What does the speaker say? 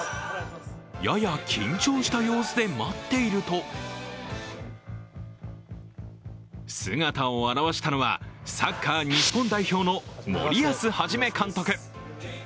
やや緊張した様子で待っていると姿を現したのは、サッカー日本代表の森保一監督。